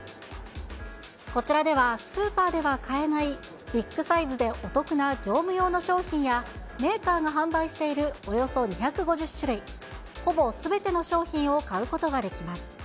こちらでは、スーパーでは買えないビッグサイズでお得な業務用の商品や、メーカーが販売しているおよそ２５０種類、ほぼすべての商品を買うことができます。